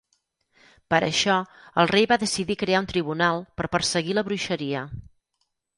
Per això, el rei va decidir crear un tribunal per perseguir la bruixeria.